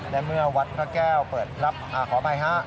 และเมื่อวัดพระแก้วเปิดรับขออภัยฮะ